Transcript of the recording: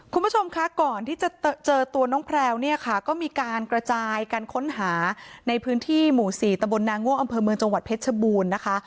คุณผู้ชมคะก่อนที่จะเจอตัวน้องแพลวเนี่ยค่ะก็มีการกระจายการค้นหาในพื้นที่หมู่๔ตะบนนางง่วงอำเภอเมืองจังหวัดเพชรชบูรณ์นะคะ